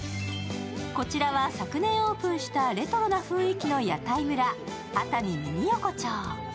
こちらは昨年オープンしたレトロな雰囲気の屋台村・熱海ミニ横丁。